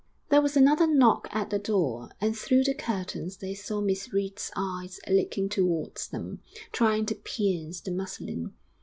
There was another knock at the door, and through the curtains they saw Miss Reed's eyes looking towards them, trying to pierce the muslin.